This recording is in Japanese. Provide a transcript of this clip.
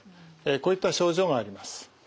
こういった症状があります。